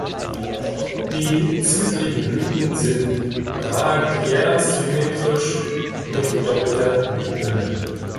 Die zwittrigen Blüten sind radiärsymmetrisch mit doppelter Blütenhülle.